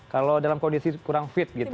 kalau dalam kondisi kurang fit gitu